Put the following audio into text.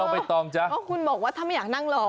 ไม่ต้องจ้ะ